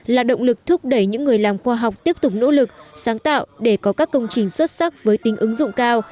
là động lực thúc đẩy những người làm khoa học tiếp tục nỗ lực sáng tạo để có các công trình xuất sắc với tính ứng dụng cao